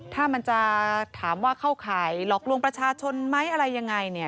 ถ้ามันจะถามว่าเข้าข่ายหลอกลวงประชาชนไหมอะไรยังไงเนี่ย